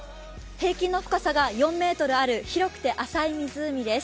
平均の深さが４ｍある広くて浅い湖です。